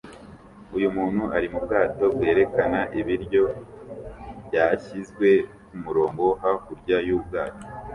Uyu muntu ari mubwato bwerekana ibiryo byashyizwe kumurongo hakurya yubwato